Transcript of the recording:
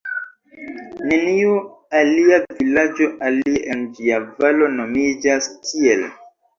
Neniu alia vilaĝo, alie en ĝia valo, nomiĝas tiel.